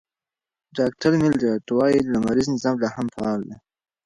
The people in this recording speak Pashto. ډاکټر میلرډ وايي، لمریز نظام لا هم فعال دی.